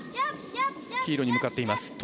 黄色に向かっています。